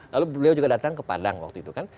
lalu beliau juga datang ke padang waktu itu kan